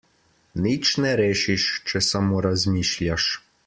Nič ne rešiš, če samo razmišljaš.